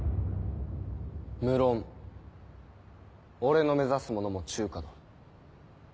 無論俺の目指すものも中華だ。